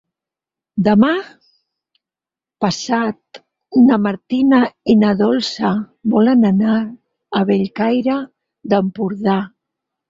Demà passat na Martina i na Dolça volen anar a Bellcaire d'Empordà.